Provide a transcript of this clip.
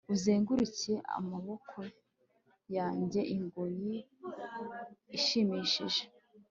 Uzenguruke amaboko yanjye ingoyi ishimishije